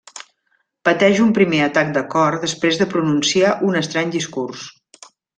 Pateix un primer atac de cor després de pronunciar un estrany discurs.